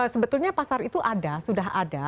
sebetulnya pasar itu ada